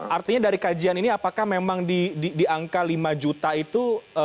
artinya dari kajian ini apakah memang di angka lima juta itu